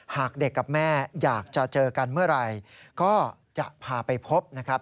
หากเด็กกับแม่อยากจะเจอกันเมื่อไหร่ก็จะพาไปพบนะครับ